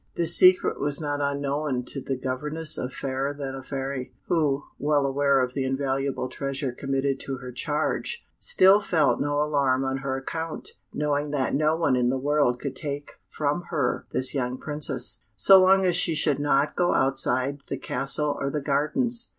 This secret was not unknown to the governess of Fairer than a Fairy, who, well aware of the invaluable treasure committed to her charge, still felt no alarm on her account, knowing that no one in the world could take from her this young princess, so long as she should not go outside the castle or the gardens.